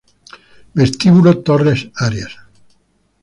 Vestíbulo Torre Arias